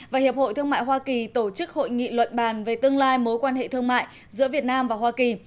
và hiệp hội thương mại hoa kỳ tổ chức hội nghị luận bàn về tương lai mối quan hệ thương mại giữa việt nam và hoa kỳ